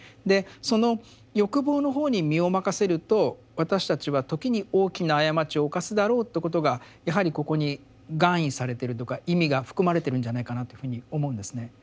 でその欲望の方に身を任せると私たちは時に大きな過ちを犯すだろうということがやはりここに含意されてるというか意味が含まれてるんじゃないかなというふうに思うんですね。